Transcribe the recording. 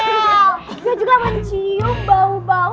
dia juga mencium bau bau